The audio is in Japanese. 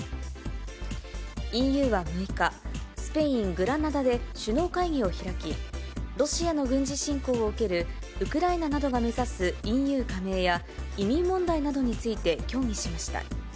ＥＵは６日、スペイン・グラナダで首脳会議を開き、ロシアの軍事侵攻を受けるウクライナなどが目指すＥＵ加盟や、移民問題などについて協議しました。